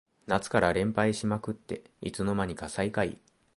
夏から連敗しまくっていつの間にか最下位